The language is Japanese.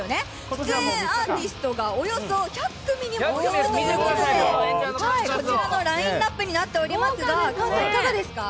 出演アーティストがおよそ１００組にもおよぶということでこちらのラインナップになっておりますが、いかがですか？